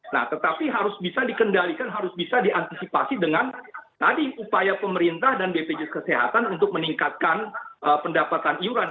nah tetapi harus bisa dikendalikan harus bisa diantisipasi dengan tadi upaya pemerintah dan bpjs kesehatan untuk meningkatkan pendapatan iuran